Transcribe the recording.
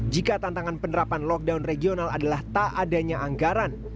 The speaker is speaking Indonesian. jika tantangan penerapan lockdown regional adalah tak adanya anggaran